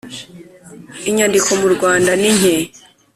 Inyandiko mu Rwanda ninke.